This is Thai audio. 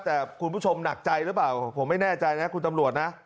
แต่คุณผู้ชมหนักใจหรือเปล่าผมไม่แน่ใจนะคุณตำรวจนะ